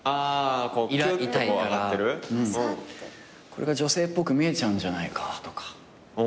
これが女性っぽく見えちゃうんじゃないかとか。